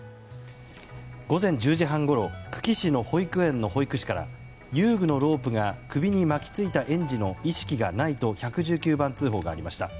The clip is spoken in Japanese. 午前１０時半ごろ久喜市の保育園の保育士から遊具のロープが首に巻き付いた園児の意識がないと１１９番通報がありました。